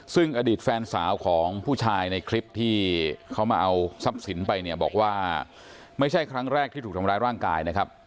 ซึ่งอดีตแฟนสาวของผู้ชายในคลิปที่เขามาเอาทรัพย์สินไปเนี่ยบอกว่าไม่ใช่ครั้งแรกที่ถูกทำร้ายร่างกายนะครับ